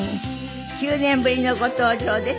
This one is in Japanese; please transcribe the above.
９年ぶりのご登場です。